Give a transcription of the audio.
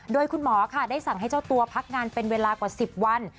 โดยคุณหมอค่ะได้สั่งให้เจ้าตัวพักงานเป็นเวลากว่า๑๐วัน